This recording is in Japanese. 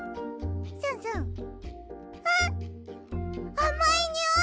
あまいにおい！